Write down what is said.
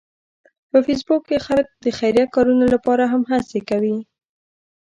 په فېسبوک کې خلک د خیریه کارونو لپاره هم هڅې کوي